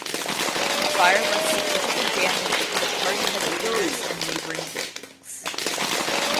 The fire left significant damage to the party headquarters and neighboring buildings.